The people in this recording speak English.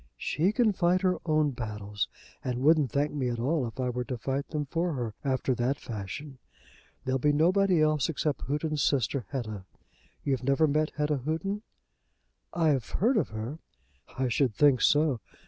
"She can fight her own battles, and wouldn't thank me at all if I were to fight them for her after that fashion. There'll be nobody else except Houghton's sister, Hetta. You never met Hetta Houghton?" "I've heard of her." "I should think so.